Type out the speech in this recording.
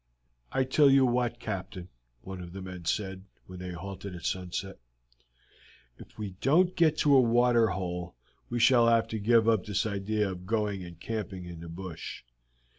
"I tell you what, Captain," one of the men said when they halted at sunset, "if we don't get to a water hole we shall have to give up this idea of going and camping in the bush.